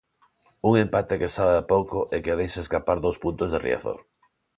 Un empate que sabe a pouco e que deixa escapar dous puntos de Riazor.